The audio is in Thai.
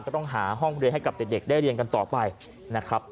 ก็ต้องหาห้องเรียนให้กับเด็กได้เรียนกันต่อไปนะครับ